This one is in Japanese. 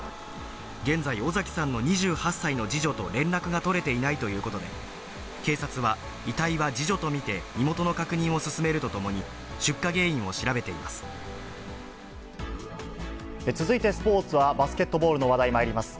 現在、尾碕さんの２８歳の次女と連絡が取れていないということで、警察は、遺体は次女と見て、身元の確認を進めるとともに、続いてスポーツは、バスケットボールの話題、まいります。